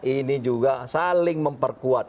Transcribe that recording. ini juga saling memperkuat